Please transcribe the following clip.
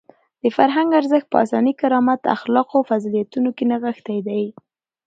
د فرهنګ ارزښت په انساني کرامت، اخلاقو او فضیلتونو کې نغښتی دی.